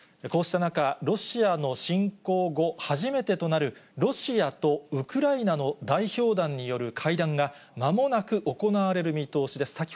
こうした中、ロシアの侵攻後、初めてとなるロシアとウクライナの代表団による会談が、まもなく行われる見通しです。